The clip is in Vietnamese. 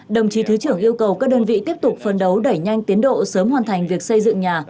đồng chí thứ trưởng yêu cầu các đơn vị tiếp tục phân đấu đẩy nhanh tiến độ sớm hoàn thành việc xây dựng nhà